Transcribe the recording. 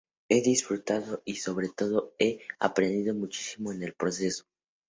He disfrutado y, sobre todo, he aprendido muchísimo en el proceso.